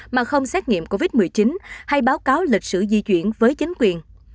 mà không xét nghiệm covid một mươi chín hay báo cáo lịch sử di chuyển với chính quyền